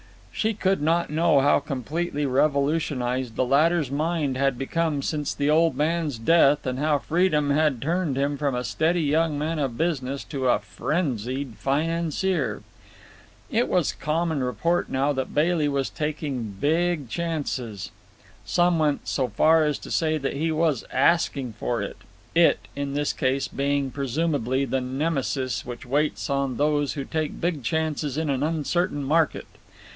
She could not know how completely revolutionized the latter's mind had become since the old man's death, and how freedom had turned him from a steady young man of business to a frenzied financier. It was common report now that Bailey was taking big chances. Some went so far as to say that he was "asking for it," "it" in his case being presumably the Nemesis which waits on those who take big chances in an uncertain market.